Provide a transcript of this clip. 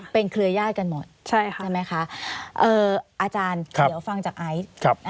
เป็นเครือยาศกันหมดใช่ไหมคะอาจารย์เดี๋ยวฟังจากไอซ์